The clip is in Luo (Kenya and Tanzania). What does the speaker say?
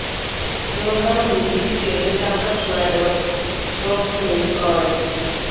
Nokawo misip kendo chako chwade go min ode.